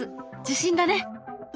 受信だね。